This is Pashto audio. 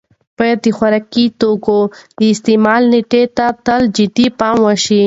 باید د خوراکي توکو د استعمال نېټې ته تل جدي پام وشي.